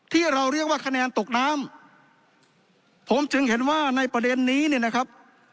ที่เราเรียกว่าคะแนนตกน้ำผมจึงเห็นว่าในประเด็นนี้เนี่ยนะครับ